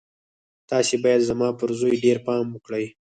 تاسې بايد زما پر زوی ډېر پام وکړئ.